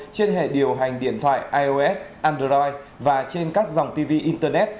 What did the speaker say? trên hệ điều hành điện thoại ios android và trên các dòng tv internet